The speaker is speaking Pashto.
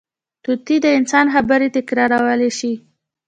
طوطي د انسان خبرې تکرارولی شي